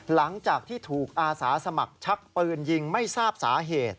หลังจากที่ถูกอาสาสมัครชักปืนยิงไม่ทราบสาเหตุ